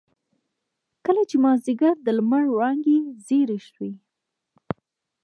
کله چې مازيګر د لمر وړانګې زيړې شوې.